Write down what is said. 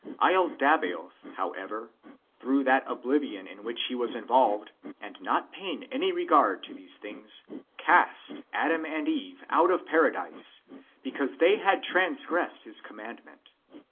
laldabaoth, however, through that oblivion in which he was involved, and not paying any regard to these things, cast Adam and Eve out of Paradise, because they had trans gressed his commandment.